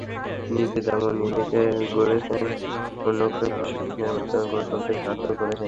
নিজে যেমন নিজেকে গড়েছেন, অন্যকেও প্রশিক্ষণের মাধ্যমে গড়ে তুলতে সাহায্য করেছেন।